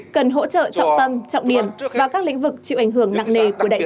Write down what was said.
cần hỗ trợ trọng tâm trọng điểm và các lĩnh vực chịu ảnh hưởng nặng nề của đại dịch